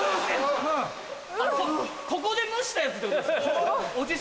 ここで蒸したやつってことですか？